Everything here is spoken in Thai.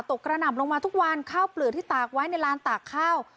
กระหน่ำลงมาทุกวันข้าวเปลือกที่ตากไว้ในลานตากข้าว